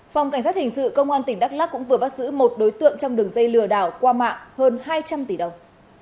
phòng cảnh sát hình sự công an tỉnh đắk lắc cũng vừa bắt giữ một đối tượng trong đường dây lừa đảo qua mạng hơn hai trăm linh tỷ đồng